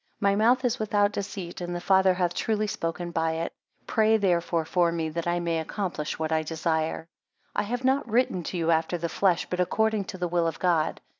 My mouth is without deceit, and the Father hath truly spoken by it. Pray therefore for me, that I may accomplish what I desire. 8 I have not written to you after the flesh, but according to the will of God.